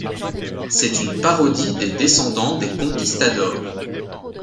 C'est une parodie des descendants des Conquistadors.